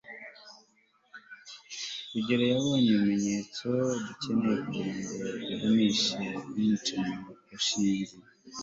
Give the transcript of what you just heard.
rugeyo yabonye ibimenyetso dukeneye kugirango duhamishe umwicanyi gashinzi